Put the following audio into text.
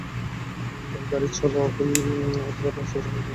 তাই গাড়িচালক অথবা রাস্তা চলাচলকারী যে-ই হোন, ট্রাফিক আইন মেনে চলুন।